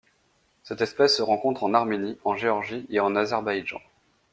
Cette espèce se rencontre en Arménie, en Géorgie et en Azerbaïdjan.